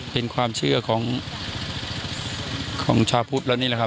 เป็นความเชื่อของชาวพุทธแล้วนี่แหละครับ